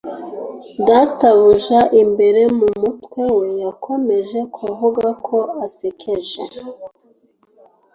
databuja' imbere mu mutwe we yakomeje kuvuga ko asekeje